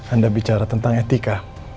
anda bicara tentang etika